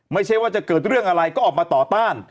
ไม่ใช่ว่าจะเกิดเรื่องอะไรก็ออกมาต่อต้าน